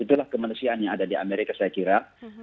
itulah kemanusiaan yang ada di amerika saya kira